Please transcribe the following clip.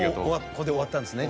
ここで終わったんですね